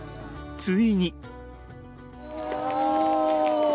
ついに。